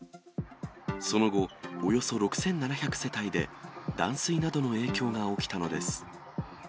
その後、およそ６７００世帯で断水などの影響が起きたのです。